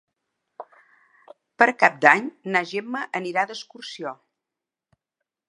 Per Cap d'Any na Gemma anirà d'excursió.